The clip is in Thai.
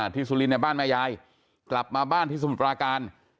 ที่สุลินในบ้านแม่ยายกลับมาบ้านที่สมุดปราการ